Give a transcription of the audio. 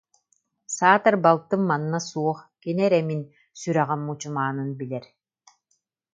Саатар, балтым манна суох, кини эрэ мин сүрэҕим мучумаанын билэр